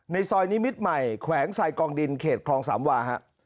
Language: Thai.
ซอยนิมิตรใหม่แขวงสายกองดินเขตคลองสามวาฮะ